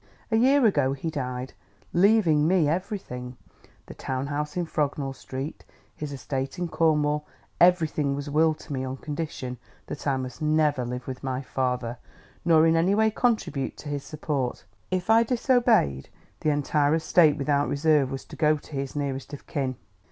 "A year ago he died, leaving me everything, the town house in Frognall Street, his estate in Cornwall: everything was willed to me on condition that I must never live with my father, nor in any way contribute to his support. If I disobeyed, the entire estate without reserve was to go to his nearest of kin....